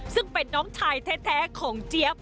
ซึ่งเป็นน้องชายแท้ของเจี๊ยบ